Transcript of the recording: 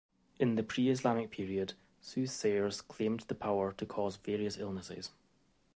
In the pre-Islamic period, soothsayers claimed the power to cause various illnesses.